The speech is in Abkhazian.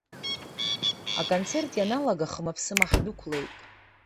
Аконцерт ианалга, хымаԥсыма ҳдәықәлеит.